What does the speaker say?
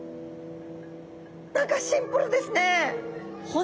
何かシンプルですね！